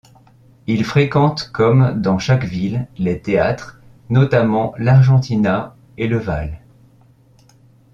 Il fréquente comme dans chaque ville les théâtres notamment l'Argentina et le Valle.